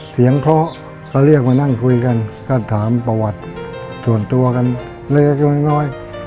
เพาะก็เรียกมานั่งคุยกันก็ถามประวัติส่วนตัวกันเล็กน้อย